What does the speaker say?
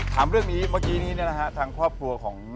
ถามเรื่องนี้เมื่อกี้นี้เนี่ยนะฮะทางครอบครัวของ